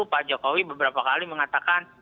pak jokowi beberapa kali mengatakan